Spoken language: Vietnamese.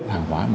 mà không cần